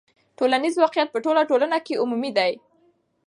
ټولنیز واقعیت په ټوله ټولنه کې عمومي دی.